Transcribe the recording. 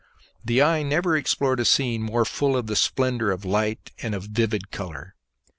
The eye never explored a scene more full of the splendour of light and of vivid colour.